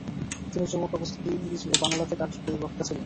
তিনি যুবক অবস্থাতেই ইংরেজি ও বাংলাতে কার্যকরী বক্তা ছিলেন।